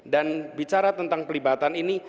dan bicara tentang pelibatan ini